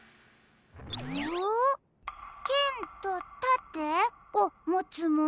「けんとたてをもつもの